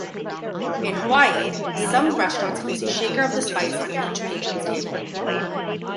In Hawaii, some restaurants place a shaker of the spice on each patron's table.